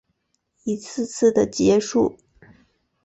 一次次的结束